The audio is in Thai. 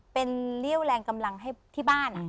เป็นเรี่ยวแรงกำลังให้ที่บ้าน